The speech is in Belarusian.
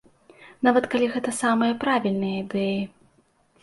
Нават калі гэта самыя правільныя ідэі.